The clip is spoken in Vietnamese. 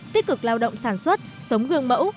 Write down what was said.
tích cực lao động sản xuất sống gương mẫu